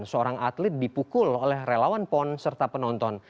seorang atlet dipukul oleh relawan pon serta penonton